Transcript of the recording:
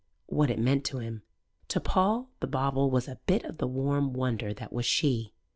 what it meant to him. To Paul the bauble was a bit of the warm wonder that was she.